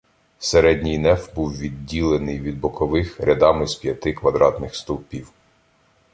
Середній неф був відділений від бокових рядами з п’яти квадратних стовпів.